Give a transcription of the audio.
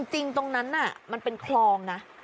จริงตรงนั้นมันเป็นคลองนะ